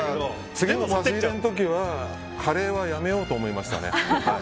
次の差し入れの時はカレーはやめようと思いましたね。